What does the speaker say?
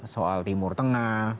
soal timur tengah